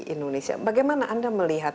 indonesia bagaimana anda melihat